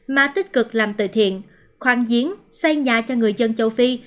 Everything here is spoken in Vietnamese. mà tích cực làm tự thiện khoan diến xây nhà cho người dân châu phi